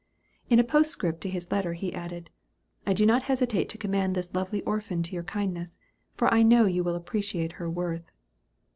In a postscript to his letter he added, "I do not hesitate to commend this lovely orphan to your kindness, for I know you will appreciate her worth."